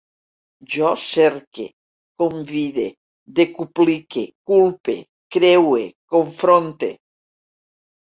Jo cerque, convide, decuplique, culpe, creue, confronte